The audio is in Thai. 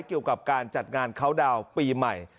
เกี่ยวกับการจัดงานเขาดาวน์ปีใหม่